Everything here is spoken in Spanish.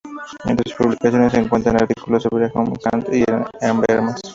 Entre sus publicaciones se cuentan artículos sobre Hume, Kant y Habermas.